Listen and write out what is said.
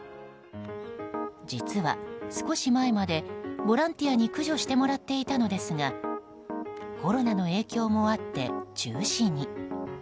実は、少し前までボランティアに駆除してもらっていたのですがコロナの影響もあって中止に。